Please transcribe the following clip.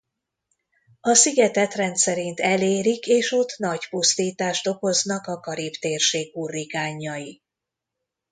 A szigetet rendszerint elérik és ott nagy pusztítást okoznak a Karib-térség hurrikánjai.